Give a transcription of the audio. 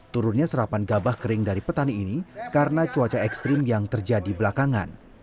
turunnya serapan gabah kering dari petani ini karena cuaca ekstrim yang terjadi belakangan